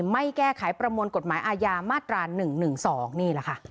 ไม่แก้ไขประมวลกฎหมายอาญามาตรา๑๑๒นี่แหละค่ะ